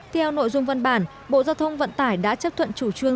theo nội dung văn bản bộ giao thông vận tải đã chấp thuận chủ trương